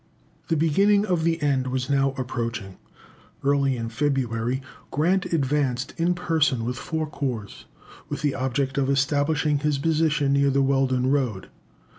The beginning of the end was now approaching. Early in February, Grant advanced in person with four corps, with the object of establishing his position near the Weldon road.